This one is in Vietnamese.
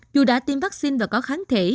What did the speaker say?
dù đã tiêm vaccine và có khả năng